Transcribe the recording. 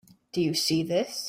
Do you see this?